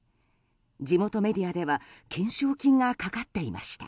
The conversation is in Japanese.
地元メディアでは懸賞金がかかっていました。